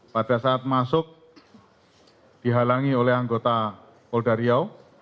pada saat masuk dihalangi oleh anggota poldario